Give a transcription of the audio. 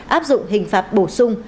áp dụng hình phạt bổ sung